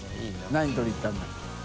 何撮りに行ったんだ？